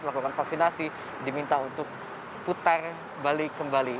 melakukan vaksinasi diminta untuk putar balik kembali